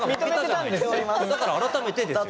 だから改めてですよ。